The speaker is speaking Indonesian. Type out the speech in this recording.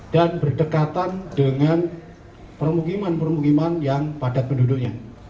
dan berdekatan dengan permukiman permukiman yang padat penduduknya